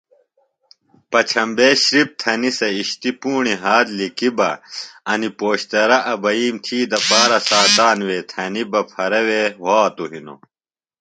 پچھمبے شِرپ تھنیۡ سےۡ اِشتیۡ پُوݨیۡ ہات لِکیۡ بہ انیۡ پوشترہ ابئیم تھی دپارہ ساتانوۡ وے تھنیۡ بہ پھرہ وے وھاتوۡ ہِنوۡ